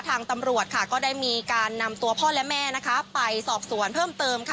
ทางตำรวจค่ะก็ได้มีการนำตัวพ่อและแม่นะคะไปสอบสวนเพิ่มเติมค่ะ